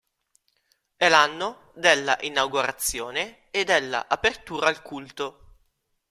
È l'anno della inaugurazione e della apertura al culto.